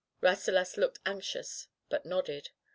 Rasselas looked anxious, but nodded.